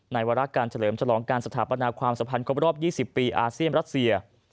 วาระการเฉลิมฉลองการสถาปนาความสัมพันธ์ครบรอบ๒๐ปีอาเซียนรัสเซีย